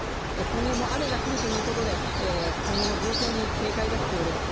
今後も雨が降るということで今後の状況に警戒が必要です。